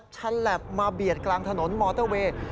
ชันแหลปมาเบียดกลางถนนมอเตอร์เวย์